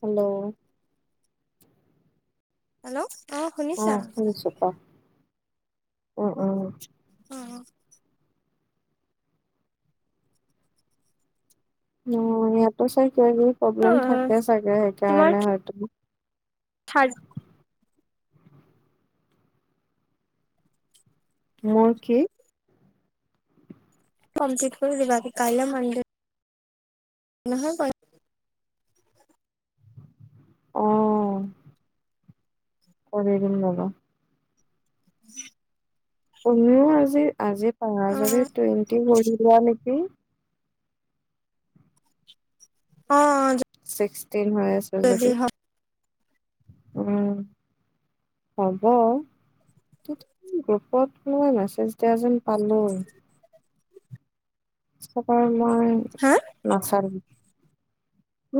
Hello hello অ শুনিছা শুনিছো ক উম উম অঁ অ ইয়াতো চাই ক কিবি অ প্ৰব্লেম থাকে চাগে সেইকাৰণে হয়তো থাৰ মোৰ কি [unintelligible] কৰি দিবাকি কাইলে মন্দিৰ নহয় পৰে অ কৰি দিম ৰবা [inaudible] কমিও আজি আজি অ যদি টুৱেন্টি [unintelligible] নেকি অ অ ছিক্স হৈ আছে যদি উ হব তেতিয়া গ্ৰুপত লোৱা মেছেজ দিয়া যেন পালো চকাৰ মই হা নাচালো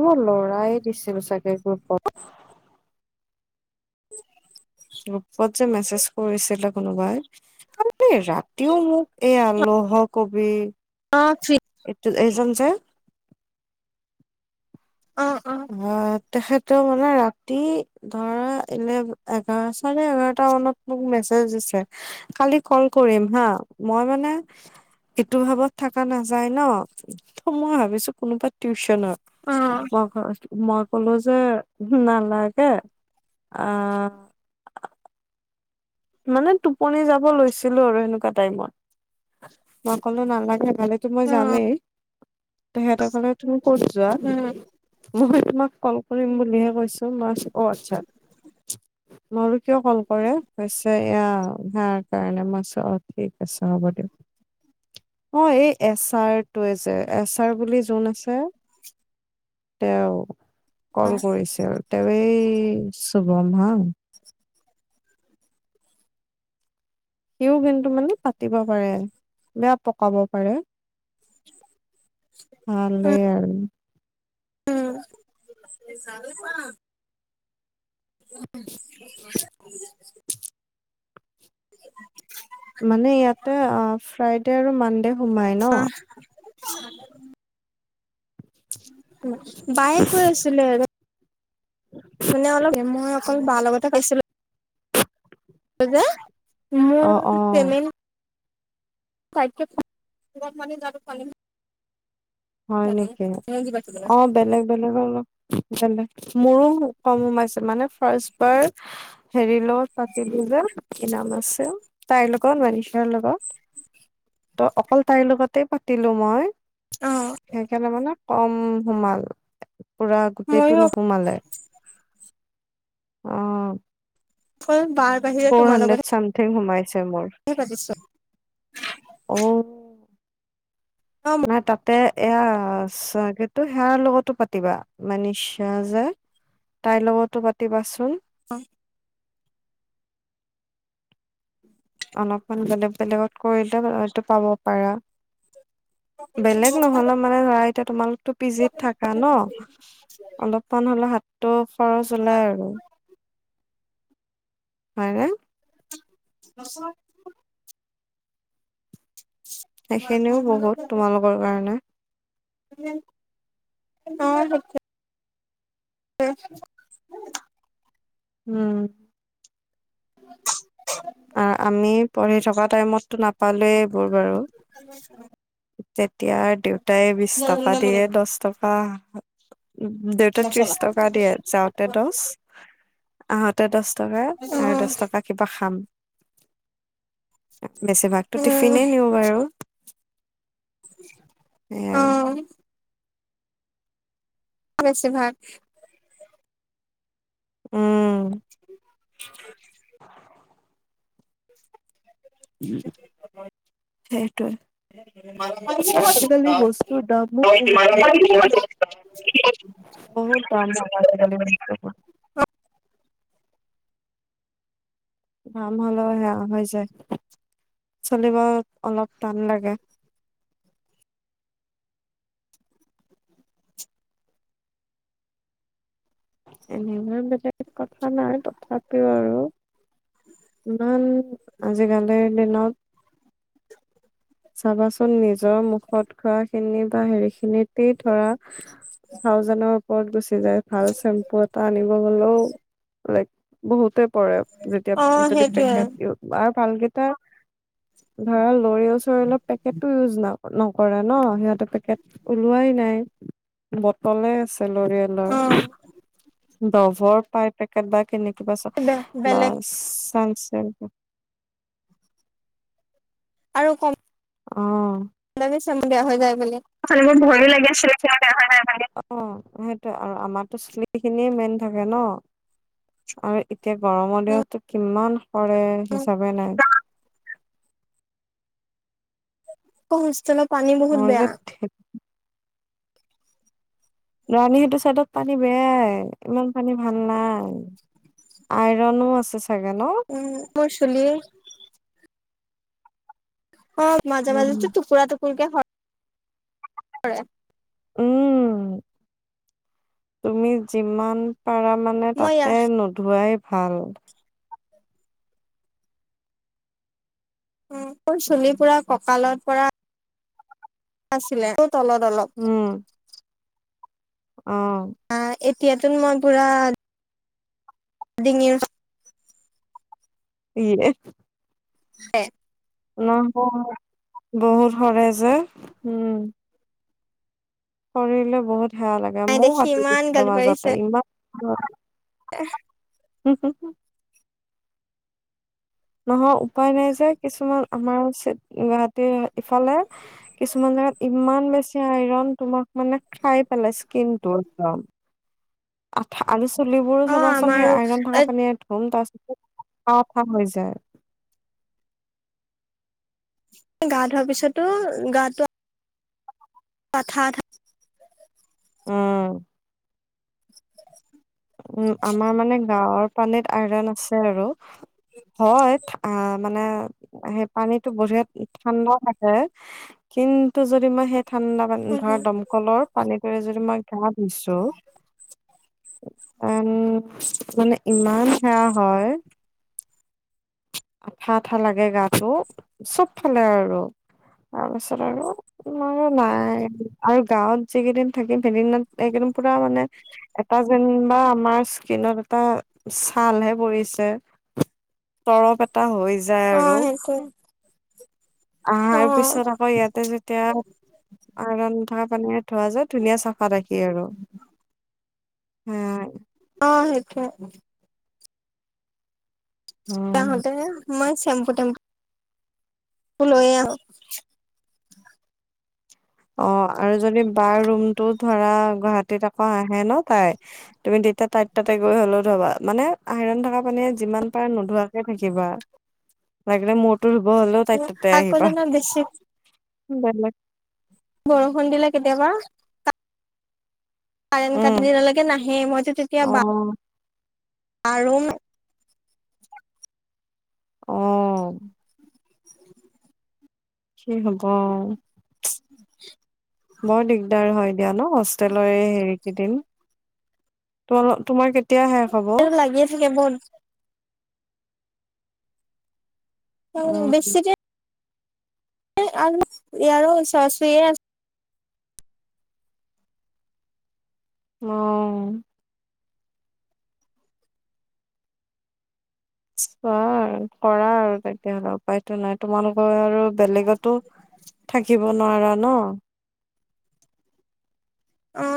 মই লৰাই দিছিলো চাগে গ্ৰুপত গ্ৰুপত যে মেছেজ কৰিছিলে কোনোবাই তালে ৰাতিও মোক এইয়ালহ কবি অ [unintelligible] এইটো এইজন যে অ তেখেতে মানে ৰাতি ধৰা এলে এঘাৰ চাৰে এঘাৰটা মানত মোক মেছেজ দিছে কালি কল কৰিম হা মই মানে ইটো ভাৱত থকা নাযায় ন মই ভাবিছো কোনোবা টিউচন ন অ মই কলো যে নালাগে আহ মানে টোপনি যাব লৈছিলো আৰু এনেকুৱা টাইমত মই কলো নালাগে তালেতো মই যামেই তেখেতে কলে তুমি ক'ত যোৱা উম মই তোমাক কল কৰিম বুলিহে কৈছো মই অ আচ্ছা ম কিয় কল কৰে কৈ হৈছে এয়া হাৰ কাৰণে মই চো অ ঠিক আছে হ'ব দিয়ক অ এই এচাৰটোৱে যে এচাৰ বুলি যোন আছে তেওঁ অ কল কৰিছিল তে এই [unintelligible] সিও কিন্তু মানে পাতিব পাৰে বেয়া পকাব পাৰে ভালে আৰু উম উম উ [inaudible] মানে ইয়াতে ফ্ৰাই [unintelligible] তেৰ [unintelligible] মানান দেে সোমাই ন [unintelligible] আ [inaudible] বায়ে কৈ আছিলে আৰু [unintelligible] ে অলপ মই অকল বাৰ লগতে কাইছিলো [unintelligible] কজ [inaudible] অ মোৰ অ চম [unintelligible] াল [inaudible] হয় নেকি অ বেলেগ বেলেগৰলপ [unintelligible] জ মোৰো [unintelligible] কম সোমাইছিল মানে ফাৰ্ষ [unintelligible] াৰ হেৰি লগত পাতিলো যে কি নাম আছে তাইৰ লগত মানিচাৰ লগত ত অকল তাইৰ লগতে পাতিলো মই [unintelligible] অ সেইকাৰণে মানে কম সোমাল [unintelligible] পুৰা গোটেইটো মইয়ো নোসুমালে [unintelligible] আহ [inaudible] হয় [inaudible] ফ'ৰ হণ্ড্ৰেড চামথিংমাই [unintelligible] মোৰ পাতিছো আহ [unintelligible] নান তাতে [unintelligible] এয়া কিু সেয়াৰ লগতো পাতিবা মান নি স যে তাইৰ লগতো পাতিবাচোন [unintelligible] হয় [inaudible] উম [inaudible] অলপমান বেলেগ বেলেগত কৰিলে হয়তটো পাব পাৰা [unintelligible] বেলেগ অ নহ'লে মানে ৰাই [unintelligible] এতিয়াোমালোক [unintelligible] তটো পিজিত থাককা ন অলপমান হলে হাত [unintelligible] ট [inaudible] খৰচ ওলাই আৰু [unintelligible] হয়ে [inaudible] আচ [inaudible] উম সেইখিনিও উম বহুত তোমালোকৰ কাৰণে [unintelligible] ন [inaudible] উ [inaudible] উম [inaudible] [unintelligible] আমি পঢ়ি থকা টাইমতটো নাপালে। হব বাৰু তেতিয়াাৰ দেউতাই বিশ টকা দিয়ে দহ টকা। অহ। উ দেউতা ত্ৰিশ টকা দিয়ে যাওঁতে দহ। অহ। ততে দহ টকা আৰু দহ টকা কিবা খাম। বেছিভাগতো টিফিনে নিওঁ বাৰু। উ [unintelligible] উম। বেছি ভাগ। উম। [unintelligible] উম [unintelligible] হ [unintelligible] আজি কালি বস্তুৰ দামো। বিমান। বহুত কাম। ভ [unintelligible] ভাম হলেও সেয়া হৈ যায় চলিব অলপ টান লাগে। এনেকুৱা বেলেগ কথা নাই তথাপিও আৰু ইমান আজিকালিৰ দিনত চাবাচোন নিজৰ মুখত খোৱা খিনি বা হেৰি খিনিতেই ধৰা ভাওজনৰ ওপৰত গুচি। যায় ফাৰ্ষ্ট। চেম্পু এটা আনিব গলেও লাইক। বহুতে। পৰে যেতিয়া অ যদি সেইটোয়ে পেকট দিওঁ তোমা। ভাল কেইটা। ধৰা লৈ আছো অলপ পেকেট।। উওজ ন নকৰে ন সিহঁতে পেকেট ওলোৱাই নাই বটলে আছে। অ লৰিয়েলৰ। ডভৰ পাই পেকেট বাক। কেনেকে বা চ বা বেলেগ চান্স। তাকেই টো। আৰু কম। অ'হ। সেই কাৰণে চেম্পু বেয়া হৈ যায় । চেলুনত মোৰ ভয়ো লাগে। অ সেয়া চুলিত আৰু আমাৰতো চুলি খিনিয়ে মেইন থাকে ন? আৰু এতিয়া গৰমৰ উম দিনতো কিমান। সৰে হিচাপেই নাই। মোৰ হোষ্টেলত। মোৰ যে ঠিক। ৰাণী সেইটো চাইডত পানী বেয়াই ।ইমান পানী ভাল নাই ।আইৰনো আছে চা। উম মোৰ চুলি। অ মাজে মাজে উম টো টুকুৰা টুকুৰ। তোৰ এতিয়া স।। সৰে উম তুমি যিমান। পাৰা মানে মই ইয়া তাতে নোধোৱাই।। ভাল। মোৰ চুলি পোৰা কঁকালত পৰা আছিলে। তলত অলপ। উম অ, তেতিয়াতুন মই পুৰা। ডিঙিৰ কাষ। ই য়ে থাকে। নহ বহুত সৰে যে, উম সৰিলে বহুত। বেয়া লাগে নাই ময়ো দেখি কাটি ইমান দিছিলোঁ মাজতে ইমান। হয় এহ উম হুম হু নহয় উপায় নাই যে কিছুমান আমাৰ গুৱাহাটী ইফালে কিছুমান জেগাত ইমান বেছি আইৰন তোমাক মানে খাই পেলাই স্কিন টো একদম আ আৰু তুলিবোৰো অ চাবাচোন সেই আমাৰো আইন থকা পানীয়ে ধুম ত খা খোৱা হৈ যায় গা ধোৱাৰ পিছতো গাটো আথা আথা উম উম আমাৰ মানে গাঁৱৰ পানীত আইৰন আছে আৰু হয় মানে সেই পানীতটো বঢ়িয়া ঠাণ্ডা থাকে কিন্তু যদি মই সেই ঠাণ্ডা মান ধৰা দমকলৰ পানীত যদি মই ক পিছো উম মানে ইমান সেয়া হয় আঠা আঠা লাগে গাটো চব ফালে আৰু তাৰপিছত আৰু আৰু নাই আৰু গাঁৱত যিিকেইদিন থাকিম সেইদিনত এইেইদিন পুৰা মানে এটা যেনিবা আমাৰ স্কিনত এটা ছালহে পৰিছে তৰপ এটা হৈায় যায় অ আৰু সেইটোৱে অ আহাৰ পিছত আকৌ ইয়াতে যেতিয়া আইণ থ থোৱা যায় ধুনীয়া চফা ৰাখি আৰু অ সেইটোোৱ উম তাহতে মই চেম কুটম ক লৈ অ আৰু যদি বাৰ ৰুমটো ধৰা গুৱাহাটীত আকৌ আহে ন তাই তুমি তেতিয়া তাইত তাতে গৈ হলেও ধবা মানে আইৰণ থাক পানে যিমান পাৰে নোধোৱা থাকিবা লাকিলে ম ব হলেও তাই ততে আকৌ আহিবা জানো বেছি উম বৰষুণ দিলা কেতিয়াবা াৰেন কাটি উম দিনলৈকে নাহে মইতো তেতিয়া অ বা আৰু উম কি হ'ব উ বৰ দিগদাৰ হয় এতিিয়য়া ন হোষ্টেলৰে হেৰি দিম ত তোমাৰ কেতিয়া শেষ হব লাগিয়ে থাগে বত [inaudible] উম বেছি যে আৰু ইয়াৰ ওচৰা চৰিে আছে উম চোৱা আৰু কৰা আৰু তেতিয়াহলে উপায়তো নাই তোমালোকৰ আৰু বেলেগতো থাকিব নোৱাৰা ন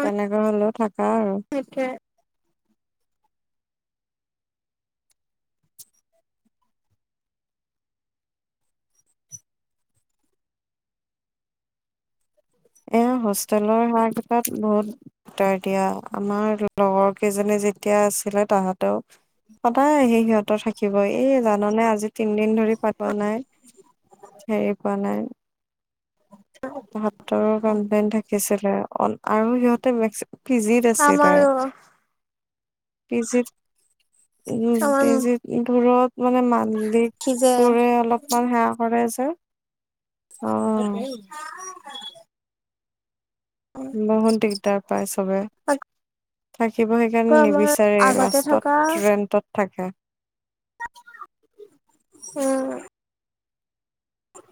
তেনেককাা হলত আচাকা [unintelligible] এ হোষ্টেলৰ সাৰ কটাত বহুতাৰ দিয়া আমাৰ লগৰ কেইজনী যেতিয়া আছিলে তাহাঁতেও সদায় আহি সিহঁতৰ থাকিব এই জাননে আজি তিনদিন ধৰি পোৱা নাই হেৰি পোৱা নাই তাহতৰো কমপ্লেইন থাকিছিলে আৰু সিহঁতে ম্ পি জি আছে তাই আমাৰো তেজ উম আমাৰ তেজ [unintelligible] পুৰত মানে মালিক সিজে বোৰে অলপমান সেৱা কৰে যে অ একেই বহুন দিগদাৰ পায় চবে আকৌ । থাকিব সেইকাৰণে আমাৰ নিবিচাৰে আগতে থকা লাষ্টত ৰেন্টত থাকে। উম উম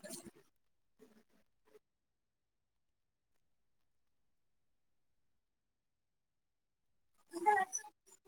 উ [unintelligible]